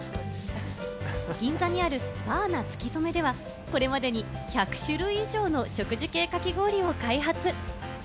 銀座にある「Ｂａｒｎａつきそめ」ではこれまでに１００種類以上の食事系かき氷を開発。